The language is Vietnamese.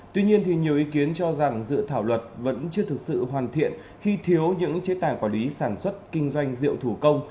tuy nhiên nhiều ý kiến cho rằng dự thảo luật vẫn chưa thực sự hoàn thiện khi thiếu những chế tài quản lý sản xuất kinh doanh rượu thủ công